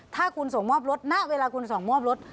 ถ้าคุณส่งมอบรถณเวลาคุณส่งมอบรถ